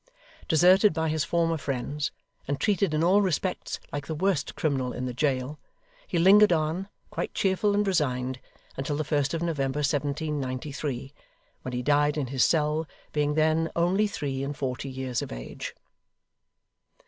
Deserted by his former friends, and treated in all respects like the worst criminal in the jail, he lingered on, quite cheerful and resigned, until the 1st of November 1793, when he died in his cell, being then only three and forty years of age.